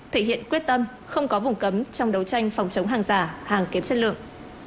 thể hiện quyết tâm không có vùng cấm trong đấu tranh phòng chống hàng giả hàng kém chất lượng